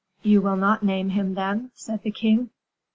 "You will not name him, then?" said the king.